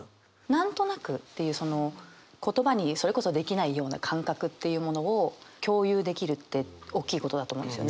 何となくっていうその言葉にそれこそできないような感覚というものを共有できるっておっきいことだと思うんですよね。